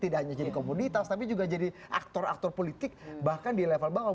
tidak hanya jadi komoditas tapi juga jadi aktor aktor politik bahkan di level bawah